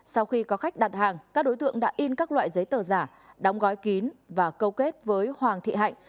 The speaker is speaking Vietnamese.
sau khi có khách đặt hàng các đối tượng đã in các loại giấy tờ giả đóng gói kín và câu kết với hoàng thị hạnh